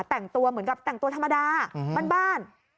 แต่งตัวเหมือนกับแต่งตัวธรรมดาบ้าน